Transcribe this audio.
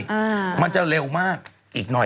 ข้าวจนถึงจะเร็วมากอีกหน่อย